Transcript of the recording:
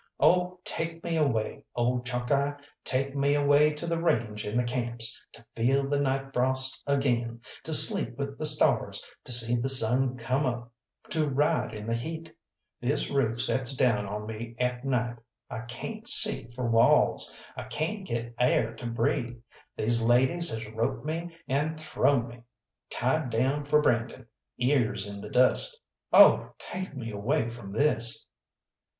Oh, take me away, ole Chalkeye, take me away to the range and the camps, to feel the night frosts agin, to sleep with the stars, to see the sun come up, to ride in the heat. This roof sets down on me at night. I cayn't see for walls; I cayn't get air to breathe. These ladies has roped me, and thrown me, tied down for branding, ears in the dust. Oh, take me away from this!"